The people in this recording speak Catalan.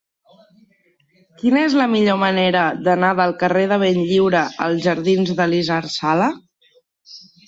Quina és la millor manera d'anar del carrer de Benlliure als jardins d'Elisard Sala?